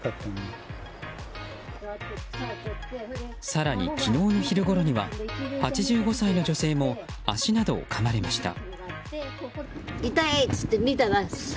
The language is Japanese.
更に昨日の昼ごろには８５歳の女性も足などをかまれました。